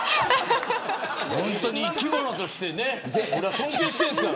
本当に生き物として僕は尊敬してるんですから。